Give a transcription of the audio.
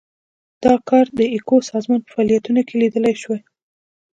دا کار د ایکو سازمان په فعالیتونو کې لیدلای شو.